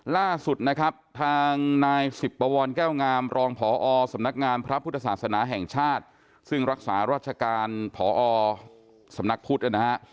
ล่าสุดนะครับทางนายสิบปวรแก้วงามรองพอสำนักงานพระพุทธศาสนาแห่งชาติซึ่งรักษาราชการพอสำนักพุทธนะฮะ